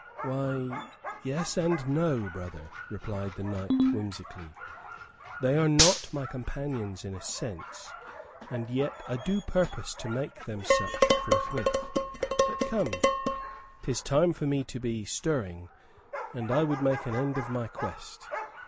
"Why, yes, and no, brother," replied the knight, whimsically. "They are not my companions in a sense, and yet I do purpose to make them such forthwith. But come, 'tis time for me to be stirring an I would make an end of my quest.